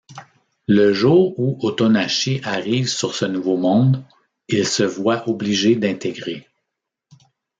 Le jour où Otonashi arrive sur ce nouveau monde, il se voit obligé d'intégrer.